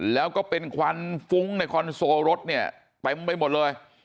แล้วก็เป็นควันฟุ้งในคอนโซลรถเนี่ยเต็มไปหมดเลย